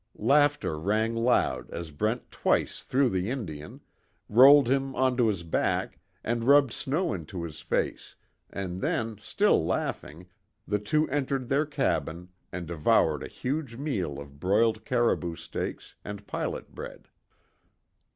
Laughter rang loud as Brent twice threw the Indian, rolled him onto his back, and rubbed snow into his face, and then, still laughing, the two entered their cabin and devoured a huge meal of broiled caribou steaks, and pilot bread.